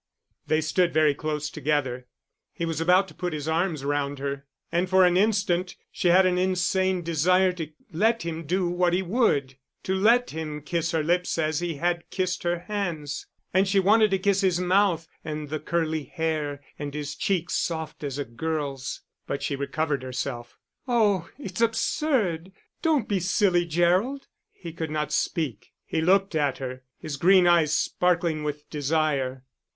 They stood very close together; he was about to put his arms round her. And for an instant she had an insane desire to let him do what he would, to let him kiss her lips as he had kissed her hands; and she wanted to kiss his mouth, and the curly hair, and his cheeks soft as a girl's. But she recovered herself. "Oh, it's absurd! Don't be silly, Gerald." He could not speak; he looked at her, his green eyes sparkling with desire.